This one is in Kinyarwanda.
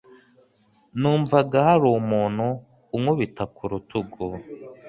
Numvaga hari umuntu unkubita ku rutugu.